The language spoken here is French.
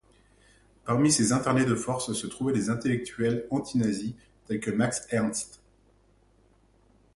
Parmi ces internés de force se trouvaient des intellectuels anti-nazis tels que Max Ernst.